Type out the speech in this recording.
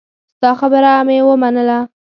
ستا خبره مې ومنله.